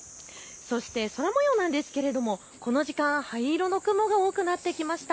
そして空もようなんですがこの時間、灰色の雲が多くなってきました。